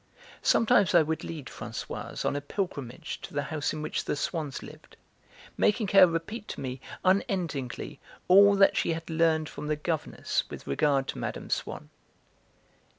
Sometimes I would lead Françoise on a pilgrimage to the house in which the Swanns lived, making her repeat to me unendingly all that she had learned from the governess with regard to Mme. Swann.